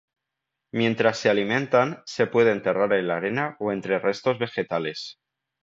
Mientras se alimentan, se puede enterrar en la arena o entre restos vegetales.